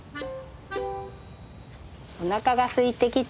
おなかがすいてきた。